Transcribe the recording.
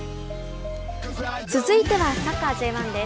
続いてはサッカーＪ１です。